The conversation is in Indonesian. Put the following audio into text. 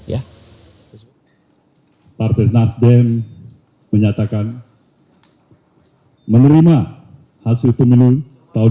ya partai nasdem menyatakan menerima hasil pemilu tahun dua ribu dua puluh